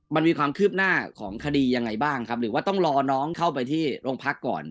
มันมีความคืบหน้าของคดียังไงบ้างครับหรือว่าต้องรอน้องเข้าไปที่โรงพักก่อน